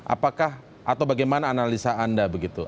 apakah atau bagaimana analisa anda begitu